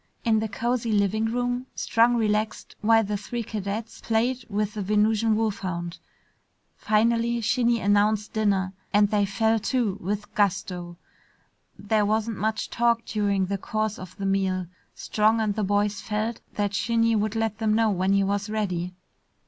In the cozy living room, Strong relaxed while the three cadets played with the Venusian wolfhound. Finally Shinny announced dinner and they fell to with gusto. There wasn't much talk during the course of the meal. Strong and the boys felt that Shinny would let them know when he was ready.